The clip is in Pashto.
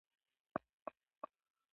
د ملګرو شوق او تلوسه ډېره وه.